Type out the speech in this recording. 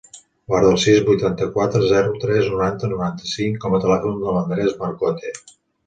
Guarda el sis, vuitanta-quatre, zero, tres, noranta, noranta-cinc com a telèfon de l'Andrés Marcote.